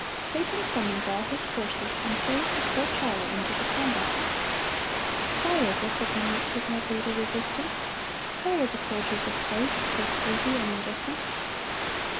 Satan summons all his forces, and throws his whole power into the combat. Why is it that he meets with no greater resistance? Why are the soldiers of Christ so sleepy and indifferent?